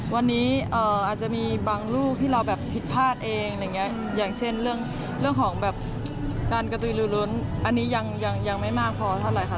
วันนี้อาจจะมีบางรูปที่เราแบบผิดพลาดเองอย่างเช่นเรื่องของแบบการกระตุีรุนอันนี้ยังไม่มากพอเท่าไหร่ค่ะ